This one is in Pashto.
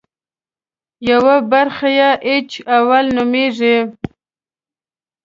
یوه برخه یې اېچ اول نومېږي.